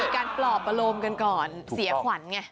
การปลอบอารมณ์กันก่อนเสียขวัญไง